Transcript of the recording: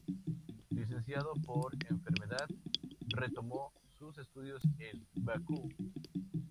Licenciado por enfermedad, retomó sus estudios en Bakú.